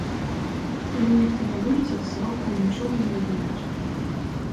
Калі нехта не выйдзе, з заробкаў нічога не аднімуць.